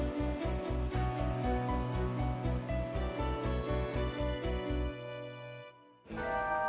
sampai jumpa di video selanjutnya